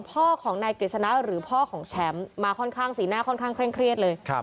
พ่อของนายกฤษณะหรือพ่อของแชมป์มาค่อนข้างสีหน้าค่อนข้างเคร่งเครียดเลย